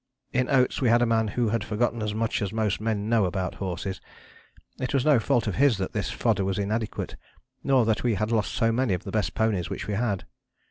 In Oates we had a man who had forgotten as much as most men know about horses. It was no fault of his that this fodder was inadequate, nor that we had lost so many of the best ponies which we had.